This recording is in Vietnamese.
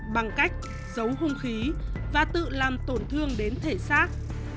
bằng cách giấu hung khí và tự làm tổn thương đến thể xác